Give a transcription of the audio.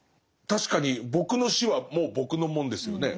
確かに僕の死はもう僕のもんですよね。